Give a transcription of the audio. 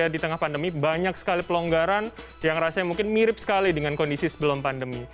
di tengah pandemi banyak sekali pelonggaran yang rasanya mungkin mirip sekali dengan kondisi sebelum pandemi